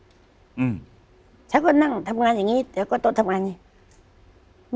อืมฉันก็นั่งทำงานอย่างงี้แต่ก็โต๊ะทำงานอย่างงี้